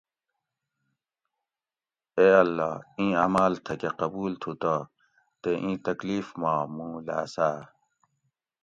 اے اللّٰہ ! اِیں عماۤل تھکہ قبول تھو تہ تے اِیں تکلیف ما مُوں لاۤساۤ